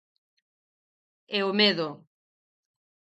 E o medo.